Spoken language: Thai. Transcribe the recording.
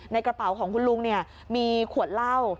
กระเป๋าของคุณลุงมีขวดเหล้า